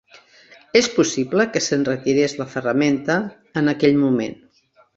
És possible que se'n retirés la ferramenta en aquell moment.